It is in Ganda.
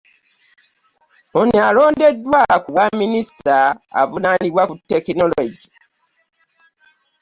Ono alondeddwa ku bwa minisita avunaanyizibwa ku tekinopogiya